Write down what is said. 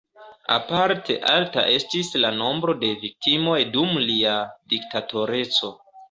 Aparte alta estis la nombro de viktimoj dum lia diktatoreco.